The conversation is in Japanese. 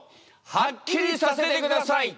はっきりさせてください！